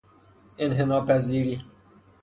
انحناپذیری